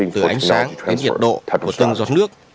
từ ánh sáng đến nhiệt độ của từng giọt nước